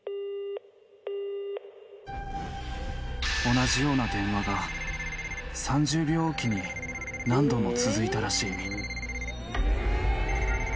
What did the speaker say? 「同じような電話が３０秒おきに何度も続いたらしい」